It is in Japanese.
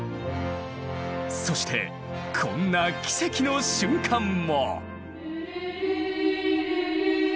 そしてこんな奇跡の瞬間も。